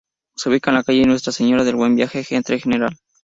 Se ubica en la calle "Nuestra Señora del Buen Viaje" entre "Gral.